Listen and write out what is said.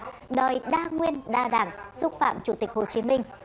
nó đòi đa nguyên đa đảng xúc phạm chủ tịch hồ chí minh